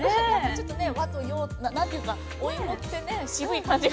ちょっとね和と洋何というかお芋ってね渋い感じが。